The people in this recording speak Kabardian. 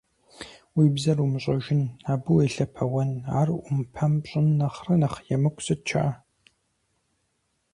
Уи бзэр умыщӏэжын, абы уелъэпэуэн, ар ӏумпэм пщӏын нэхърэ нэхъ емыкӏу сыт щыӏэ!